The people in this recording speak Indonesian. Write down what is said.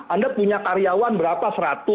anda punya karyawan berapa